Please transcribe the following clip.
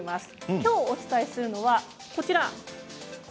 きょうお伝えするのはこちらです。